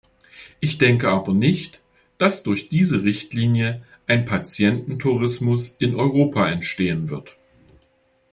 Ich denke aber nicht, dass durch diese Richtlinie ein Patiententourismus in Europa entstehen wird.